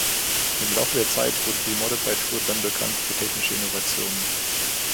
Im Laufe der Zeit wurde die Modified Tour dann bekannt für technische Innovationen.